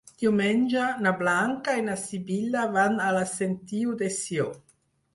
Diumenge na Blanca i na Sibil·la van a la Sentiu de Sió.